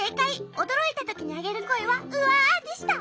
おどろいたときにあげるこえは「うわ！」でした。